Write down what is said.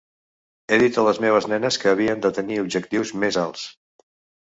He dit a les meves nenes que havien de tenir objectius més alts.